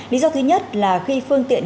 lý do thứ nhất là khi phương tiện